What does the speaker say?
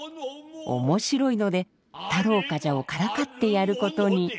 おもしろいので太郎冠者をからかってやることに。